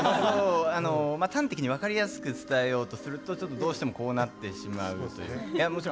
端的に分かりやすく伝えようとするとちょっと、どうしてもこうなってしまうという。